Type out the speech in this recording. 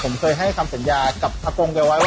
ผมเคยให้คำสัญญากับอากงแกวัยว่า